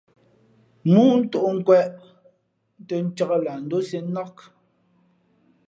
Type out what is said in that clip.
̀mōō ntōʼ nkwēʼ tα ncāk lah ndósiē nák.